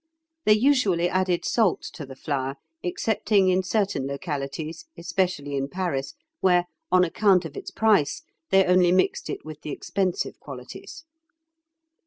They usually added salt to the flour, excepting in certain localities, especially in Paris, where, on account of its price, they only mixed it with the expensive qualities.